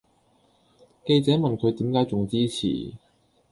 記者問佢點解仲堅持